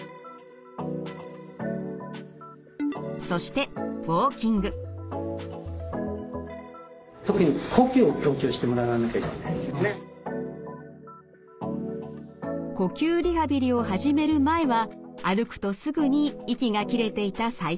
そして呼吸リハビリを始める前は歩くとすぐに息が切れていた齋藤さん。